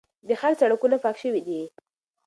د ښار سړکونه پاک شوي دي.